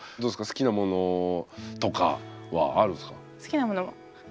好きなものとかはあるんすか？